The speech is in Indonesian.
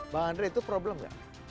bang andre itu problem nggak